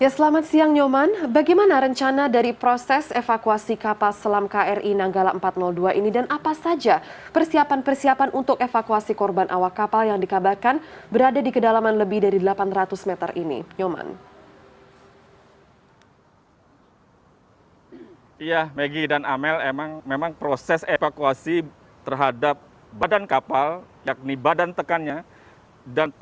selamat siang nyoman bagaimana rencana dari proses evakuasi kapal selam kri nanggala empat ratus dua ini dan apa saja persiapan persiapan untuk evakuasi korban awak kapal yang dikabarkan berada di kedalaman lebih dari delapan ratus meter ini